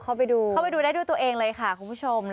เข้าไปดูได้ดูตัวเองเลยค่ะคุณผู้ชม